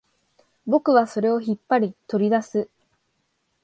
僕はそれを引っ張り、取り出す